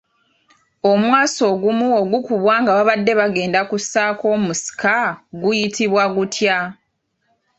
Omwasi ogumu ogukubwa nga babadde bagenda okussaako omusika guyitibwa gutya?